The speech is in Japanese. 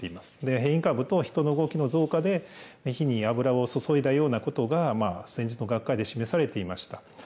変異株と人の動きの増加で、火に油を注いだようなことが、先日の学会で示されていました。